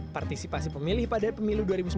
partisipasi pemilih pada pemilu dua ribu sembilan belas